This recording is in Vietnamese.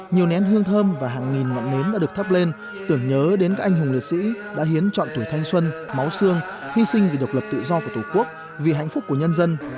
nhiều nén hương thơm và hàng nghìn ngọn nến đã được thắp lên tưởng nhớ đến các anh hùng liệt sĩ đã hiến chọn tuổi thanh xuân máu xương hy sinh vì độc lập tự do của tổ quốc vì hạnh phúc của nhân dân